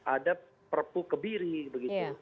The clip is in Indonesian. ada perpu kebiri begitu